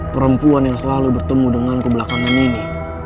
perempuan yang selalu bertemu dengan kebelakangan ini